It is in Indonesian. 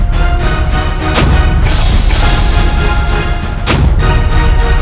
pintu aplikasi beroperasi